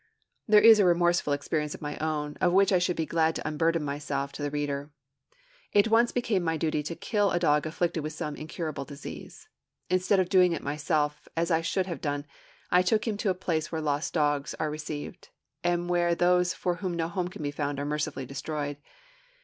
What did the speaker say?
There is a remorseful experience of my own, of which I should be glad to unburden myself to the reader. It once became my duty to kill a dog afflicted with some incurable disease. Instead of doing it myself, as I should have done, I took him to a place where lost dogs are received, and where those for whom no home can be found are mercifully destroyed.